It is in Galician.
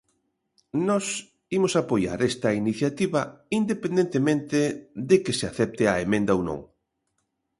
Nós imos apoiar esta iniciativa independentemente de que se acepte a emenda ou non.